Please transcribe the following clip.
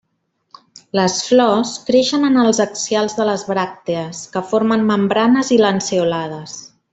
Les flors creixen en els axials de les bràctees que formen membranes i lanceolades.